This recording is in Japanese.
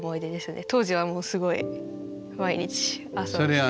当時はもうすごい毎日朝起きて。